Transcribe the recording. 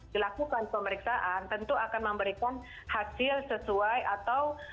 dilakukan pemeriksaan tentu akan memberikan hasil sesuai atau